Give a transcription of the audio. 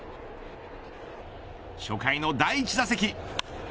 初回の第１打席。